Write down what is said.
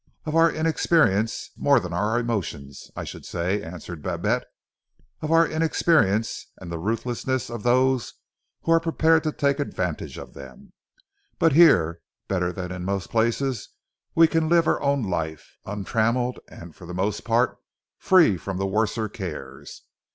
"Of our inexperience more than our emotions, I should say," answered Babette "of our inexperience and the ruthlessness of those who are prepared to take advantage of them. But here, better than in most places, we can live our own life, untrammelled, and for the most part free from the worser cares.